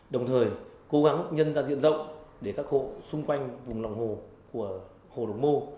đồng thời cố gắng nhân ra diện rộng để các hộ xung quanh vùng lòng hồ của hồ đồng mô